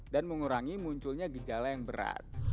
dan mengurangi munculnya gejala yang terjadi di dalam tubuh kita